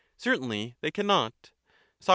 Certainly they cannot. Soc.